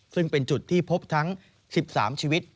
ซึ่งเป็นจุดที่พบทั้ง๑๓ชีวิต